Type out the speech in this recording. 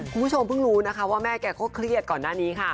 คุณผู้ชมเพิ่งรู้นะคะว่าแม่แกก็เครียดก่อนหน้านี้ค่ะ